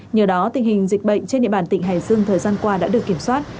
nhờ đó tình hình dịch bệnh trên địa bàn tỉnh hải dương thời gian qua đã được kiểm soát